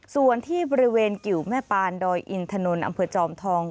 ส่วนที่บริเวณกิวแม่ปานดอยอินถนนอำเภอจอมทอง